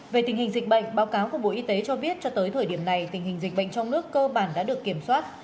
về tình hình dịch bệnh báo cáo của bộ y tế cho biết cho tới thời điểm này tình hình dịch bệnh trong nước cơ bản đã được kiểm soát